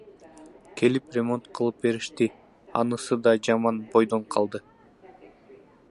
Келип ремонт кылып беришти, анысы да жаман бойдон калды.